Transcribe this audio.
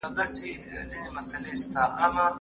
که د غوښي پلورنځي پاک وساتل سي، نو میکروبونه نه وده کوي.